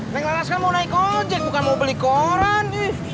neng laras kan mau naik ojek bukan mau beli koran